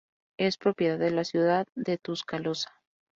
Es propiedad de la ciudad de Tuscaloosa.